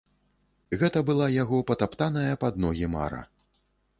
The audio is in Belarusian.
Гэта была яго патаптаная пад ногі мара.